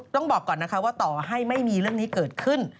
แต่ต่อให้ไม่มีเรื่องนี้เกิดขึ้น